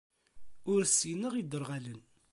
Ur ssineɣ iderɣalen.